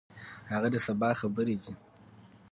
هغه د سبا خبرې دي.